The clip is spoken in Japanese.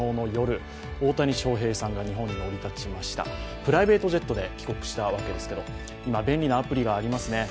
プライベートジェットで帰国したわけですけど、今、便利なアプリがありますね。